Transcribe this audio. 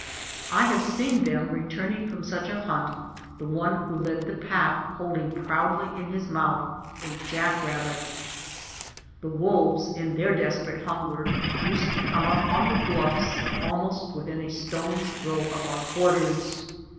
I have seen them returning from such a liunt, the one who led the pack holding proudly in his mouth a jack rabbit. The wolves in their desperate hunger used to come up on the bluffs almost within a stone's throw of our quarters.